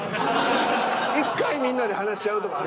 １回みんなで話し合うとか。